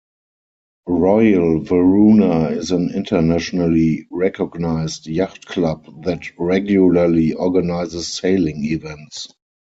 Royal Varuna is an internationally recognized yacht club that regularly organizes sailing events.